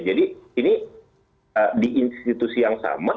jadi ini di institusi yang sama